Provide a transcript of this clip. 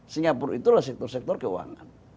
singapura itu adalah sektor sektor keuangan